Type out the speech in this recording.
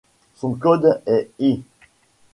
Son code est hy:.